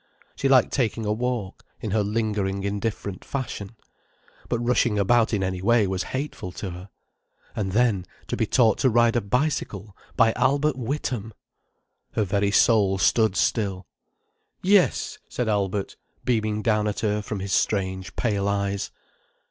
She liked taking a walk, in her lingering indifferent fashion. But rushing about in any way was hateful to her. And then, to be taught to ride a bicycle by Albert Witham! Her very soul stood still. "Yes," said Albert, beaming down at her from his strange pale eyes.